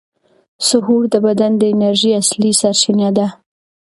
سحور د بدن د انرژۍ اصلي سرچینه ده.